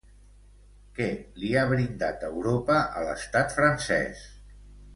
Què li ha brindat Europa a l'estat francès?